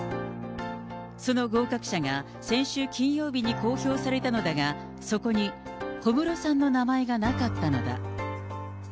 その合格者が先週金曜日に公表されたのだが、そこに小室さんの名前がなかったのだ。